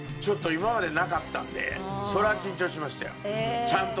今までになかったんでそれは緊張しましたよ。